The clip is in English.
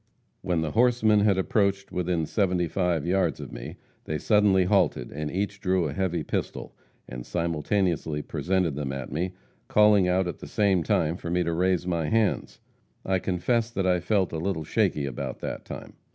When the horsemen had approached within seventy five yards of me, they suddenly halted, and each drew a heavy pistol, and simultaneously presented them at me, calling out at the same time for me to raise my hands. I confess that I felt a little shaky about that time.